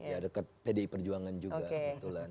iya dekat pdi perjuangan juga kebetulan